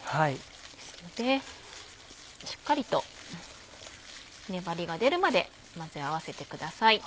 ですのでしっかりと粘りが出るまで混ぜ合わせてください。